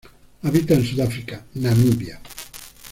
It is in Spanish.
Habita en Sudáfrica, Namibia.